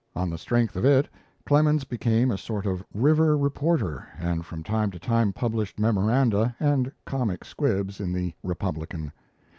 On the strength of it, Clemens became a sort of river reporter, and from time to time published memoranda and comic squibs in the 'Republican'.